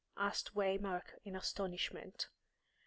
asked Waymark, in astonishment.